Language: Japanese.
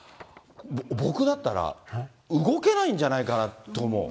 僕だったら、動けないんじゃないかなと思う。